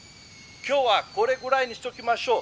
「今日はこれぐらいにしておきましょう。